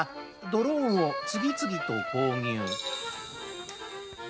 ドローンを次々と購入。